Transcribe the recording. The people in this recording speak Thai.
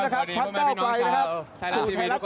อยู่กับไทรัสทีวีครับ